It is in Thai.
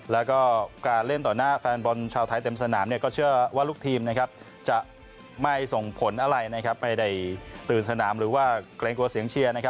แล้วก็การเล่นต่อหน้าแฟนบอลชาวไทยเต็มสนามก็เชื่อว่าลูกทีมจะไม่ส่งผลอะไรไม่ได้ตื่นสนามหรือว่าเกรงกลัวเสียงเชียร์